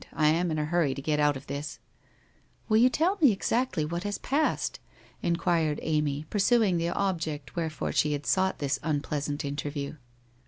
I am in a hurry to get out of this !'( Will you tell me exactly what has passed ?' enquired Amy, pursuing the object wherefore she had sought this unpleasant interview.